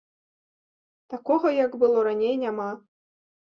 Такога, як было раней, няма.